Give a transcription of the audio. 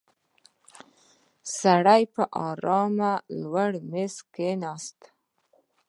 سړی په آرامه لوی مېز ته کېناست.